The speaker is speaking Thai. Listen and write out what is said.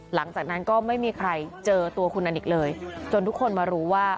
หลังจากนั้นก็ไม่มีใครเจอตัวคุณอนิกเลยจนทุกคนมารู้ว่า